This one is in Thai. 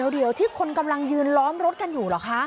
เดี๋ยวที่คนกำลังยืนล้อมรถกันอยู่เหรอคะ